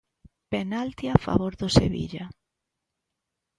Penalti a favor do Sevilla.